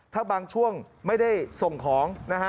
ถ้าบางช่วงไม่ได้ส่งของนะฮะ